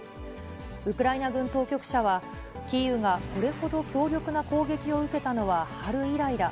ウクライナ軍当局者は、キーウがこれほど強力な攻撃を受けたのは春以来だ。